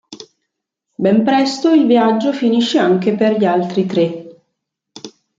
Ben presto il viaggio finisce anche per gli altri tre.